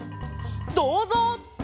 「どうぞう！」